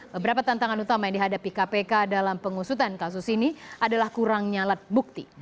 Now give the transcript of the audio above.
beberapa tantangan utama yang dihadapi kpk dalam pengusutan kasus ini adalah kurangnya alat bukti